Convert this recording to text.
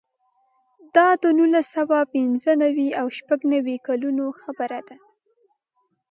دا د نولس سوه پنځه نوې او شپږ نوې کلونو خبره ده.